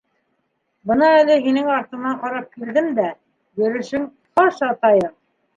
Бына әле һинең артыңдан ҡарап килдем дә, йөрөшөң хас атайың.